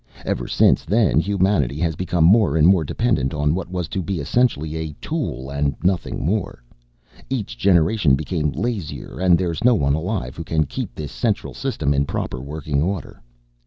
Ever since then humanity has become more and more dependent on what was to be essentially a tool and nothing more. Each generation became lazier and there's no one alive who can keep this Central System in proper working order."